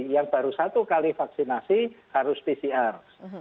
yang baru satu kali vaksinasi harus pcr